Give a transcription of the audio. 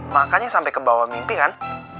makanya sampe kebawa mimpi kan